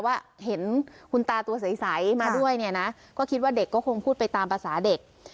ว่าเห็นคุณตาตัวใสมาด้วยเนี่ยนะก็คิดว่าเด็กก็คงพูดไปตามภาษาเด็ก